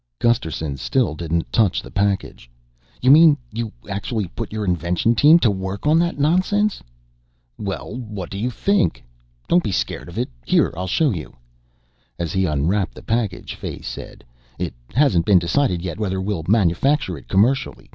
Gusterson still didn't touch the package. "You mean you actually put your invention team to work on that nonsense?" "Well, what do you think? Don't be scared of it. Here, I'll show you." As he unwrapped the package, Fay said, "It hasn't been decided yet whether we'll manufacture it commercially.